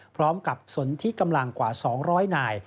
พร้อมกับสนที่กำลังกว่า๒๐๐หน่าย